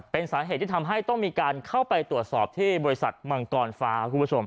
เป็นสาเหตุที่ทำให้ต้องมีการเข้าไปตรวจสอบที่บริษัทมังกรฟ้าคุณผู้ชม